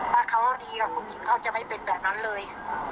ถ้าเขาดีกว่าคุณหญิงเขาจะไม่เป็นแบบนั้นเลย